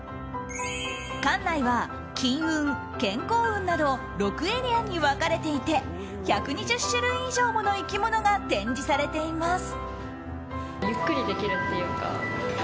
館内は金運、健康運など６エリアに分かれていて１２０種類以上もの生き物が展示されています。